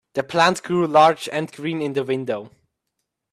The plant grew large and green in the window.